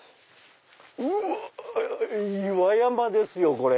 うわ岩山ですよこれ！